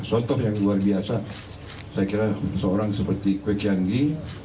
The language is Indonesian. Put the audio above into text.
contoh yang luar biasa saya kira seorang seperti kwe kian gi